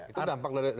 itu dampak dari proses